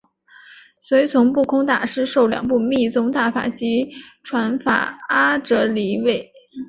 随从不空大师受两部密宗大法及传法阿阇黎位。